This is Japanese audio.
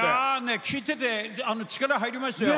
聴いてて力、入りましたよ。